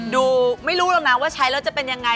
ดูไม่รู้หรอกนะว่าใช้แล้วจะเป็นยังไง